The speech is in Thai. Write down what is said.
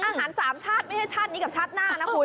สามชาติไม่ใช่ชาตินี้กับชาติหน้านะคุณ